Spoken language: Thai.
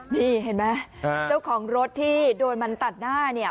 นี่เห็นไหมเจ้าของรถที่โดนมันตัดหน้าเนี่ย